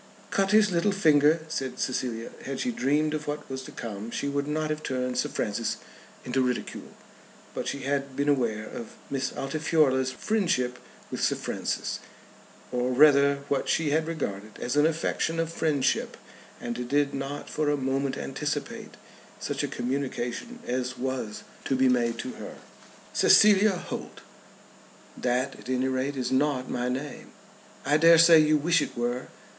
"Cut his little finger," said Cecilia. Had she dreamed of what was to come she would not have turned Sir Francis into ridicule. But she had been aware of Miss Altifiorla's friendship with Sir Francis, or rather what she had regarded as an affectation of friendship, and did not for a moment anticipate such a communication as was to be made to her. "Cecilia Holt " "That at any rate is not my name." "I dare say you wish it were."